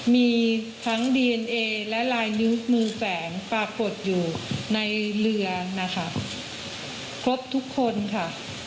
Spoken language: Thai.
มีทั้งดีเอนเอและลายนิ้วมือแฝงปรากฏอยู่ในเรือนะคะครบทุกคนค่ะ